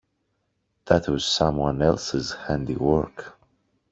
That was someone else's handy work.